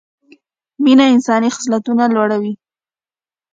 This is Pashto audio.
مینه انساني خصلتونه لوړه وي